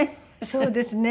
そうですね。